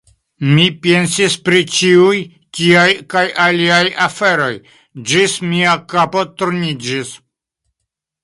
Mi pensis pri ĉiuj tiaj kaj aliaj aferoj, ĝis mia kapo turniĝis.